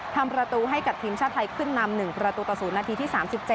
ทำประตูให้กับทีมชาติไทยขึ้นนำ๑ประตูต่อ๐นาทีที่๓๗